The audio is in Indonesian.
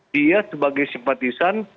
dia sebagai simpatisan